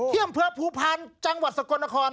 ที่อำเภาภูพานจังหวัดศกลนคร